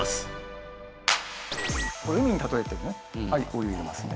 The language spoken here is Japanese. これ海に例えてねはいお湯入れますね。